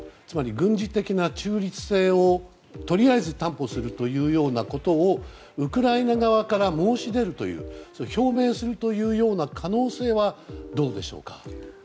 つまり軍事的な中立性をとりあえず担保するということをウクライナ側から申し出るという表明するというような可能性はどうでしょうか？